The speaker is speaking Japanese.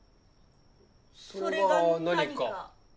それが何か？